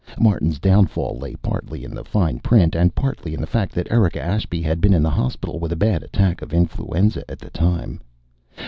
Martin's downfall lay partly in the fine print and partly in the fact that Erika Ashby had been in the hospital with a bad attack of influenza at the time.